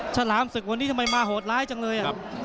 ฉลามศึกวันนี้ทำไมมาโหดร้ายจังเลย